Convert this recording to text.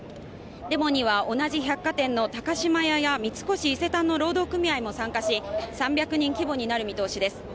デモには同じ百貨店の高島屋や三越伊勢丹の労働組合も参加し３００人規模になる見通しです